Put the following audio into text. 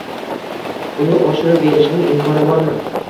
uni oshirib berishning imkoni bormi?